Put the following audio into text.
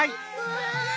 うわ！